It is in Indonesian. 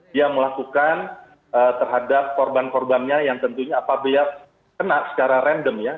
dia melakukan terhadap korban korbannya yang tentunya apabila kena secara random ya